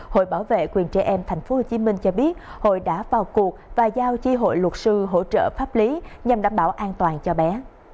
hội bảo vệ quyền trẻ em tp hcm cho biết hội đã vào cuộc và giao chi hội luật sư hỗ trợ pháp lý nhằm đảm bảo an toàn cho bé